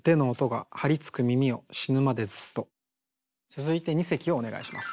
続いて二席をお願いします。